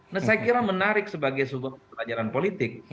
nah saya kira menarik sebagai sebuah pelajaran politik